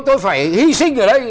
tôi phải hy sinh ở đây